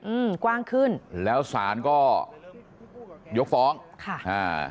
อืมกว้างขึ้นแล้วศาลก็ยกฟ้องค่ะอ่า